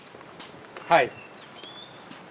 はい。